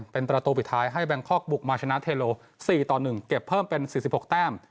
เป็นตราตูปิดท้ายให้แบงค์คอกบุกมาลชนะเทลโลสี่ต่อหนึ่งเก็บเพิ่มเป็นสี่สิบหกแต้ม